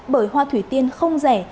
bởi hoa thủy tiên không rẻ